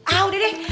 ah udah deh